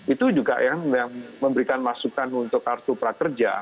itu juga yang memberikan masukan untuk kartu prakerja